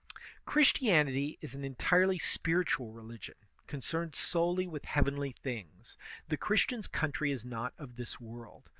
Christianity is an entirely spiritual religion, concerned solely with heavenly things; the Christian's country is not of this world.